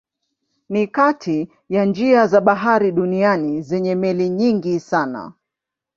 Ni kati ya njia za bahari duniani zenye meli nyingi sana.